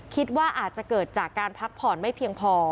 คิดว่าอาจจะเกิดจากการพักผ่อนไม่เพียงพอ